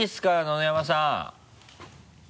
野々山さん。